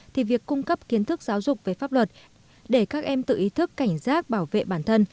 thì việc cung cấp kiến thức giáo dục về pháp luật để các em tự ý thức cảnh giác bảo vệ bản thân